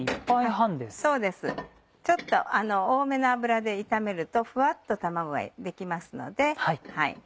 ちょっと多めの油で炒めるとふわっと卵ができますので。